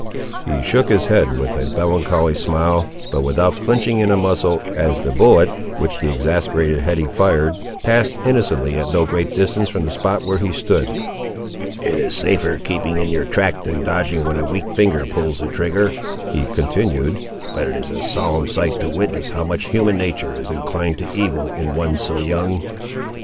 He shook his head with a melancholy smile, but without flinching in a muscle, as the bullet, which the exasperated Hetty fired, passed innocently at no great distance from the spot where he stood. "It is safer keeping in your track than dodging when a weak finger pulls the trigger," he continued "but it is a solemn sight to witness how much human natur' is inclined to evil, in one so young!